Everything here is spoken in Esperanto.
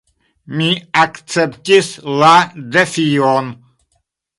Mi akceptis la defion.